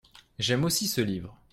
J’aime aussi ce livre.